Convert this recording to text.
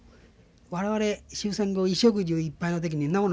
我々終戦後衣食住いっぱいの時にんなもの